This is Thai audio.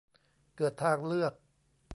เกิดทางเลือก